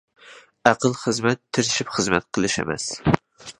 ئاقىل خىزمەت، تىرىشىپ خىزمەت قىلىش ئەمەس.